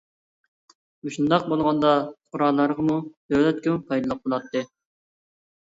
مۇشۇنداق بولغاندا پۇقرالارغىمۇ، دۆلەتكىمۇ پايدىلىق بولاتتى.